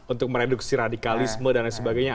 untuk mereduksi radikalisme dan lain sebagainya